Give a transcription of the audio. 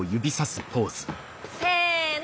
せの！